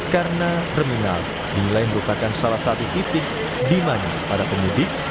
karena terminal dimilai merupakan salah satu titik di mana pada penyidik